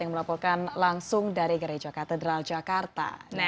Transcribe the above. yang melaporkan langsung dari gereja katedral jakarta